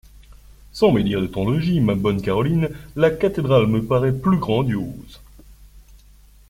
Sans médire de ton logis ma bonne Caroline, la cathédrale me paraît plus grandiose.